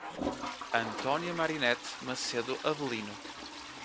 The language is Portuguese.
Antônia Marinete Macedo Avelino